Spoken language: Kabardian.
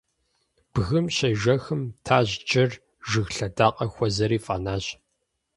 Бгым щежэхым, тажьджэр жыг лъэдакъэ хуэзэри фӀэнащ.